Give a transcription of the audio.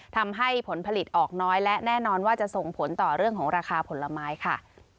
ทำให้ผลผลิตออกน้อยและแน่นอนว่าจะส่งผลต่อเรื่องของราคาผลไม้ค่ะ